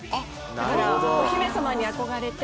だからお姫様に憧れて。